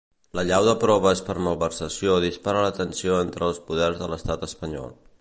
L'allau de proves per malversació dispara la tensió entre els poders de l'estat espanyol.